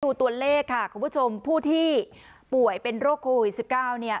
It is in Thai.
ดูตัวเลขคุณผู้ชมผู้ที่ป่วยเป็นโรคโควิด๑๙